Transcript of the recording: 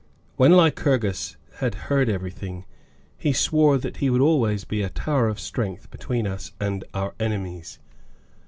When Lycurgus had heard everything, he swore that he would always be a tower of strength between us and our enemies.